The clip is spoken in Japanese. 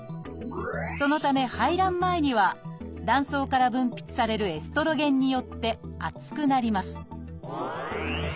そのため排卵前には卵巣から分泌されるエストロゲンによって厚くなります